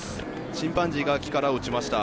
チンパンジーが木から落ちました。